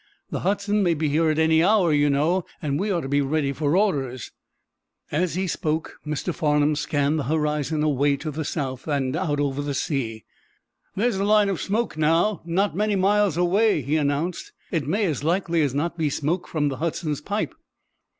"The 'Hudson' may be here at any hour, you know, and we ought to be ready for orders." As he spoke, Mr. Farnum scanned the horizon away to the south, out over the sea. "There's a line of smoke, now, and not many miles away," he announced. "It may, as likely as not, be smoke from the 'Hudson's' pipe."